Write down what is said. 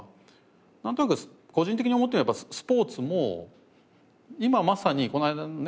なんとなく個人的に思っているのがやっぱスポーツも今まさにこの間のね